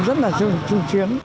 rất là chung chuyến